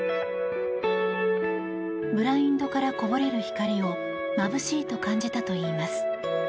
ブラインドからこぼれる光をまぶしいと感じたといいます。